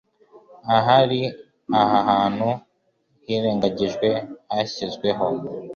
Ahari aha hantu hirengagijwe hashyizweho